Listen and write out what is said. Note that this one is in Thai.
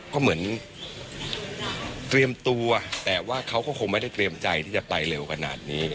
ก็เหมือนเตรียมตัวแต่ว่าเขาก็คงไม่ได้เตรียมใจที่จะไปเร็วขนาดนี้